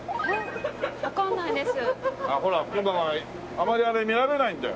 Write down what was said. あまりあれ見られないんだよ。